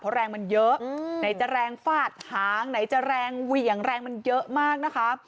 เพราะแรงมันเยอะไหนจะแรงฟาดหางไหนจะแรงเหวี่ยงแรงมันเยอะมากนะคะ